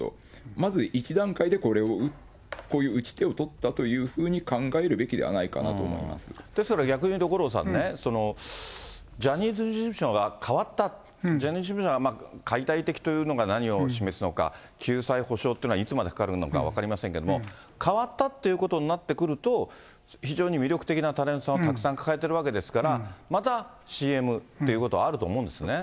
まず１段階でこういう打ち手を取ったというふうに考えるべきではとしたら逆にいうと五郎さんね、ジャニーズ事務所が変わった、ジャニーズ事務所が解体的というのが何を示すのか、救済、補償というのはいつまでかかるのか分かりませんけども、変わったっていうことになってくると、非常に魅力的なタレントさんをたくさん抱えているわけですから、またＣＭっていうことはあると思うんですね。